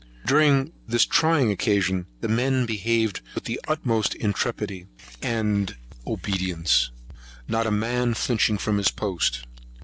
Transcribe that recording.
During this trying occasion, the men behaved with the utmost intrepidity and obedience, not a man flinching from his post.